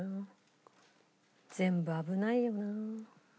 全部危ないよなあ。